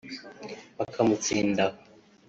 bakamutsinda aho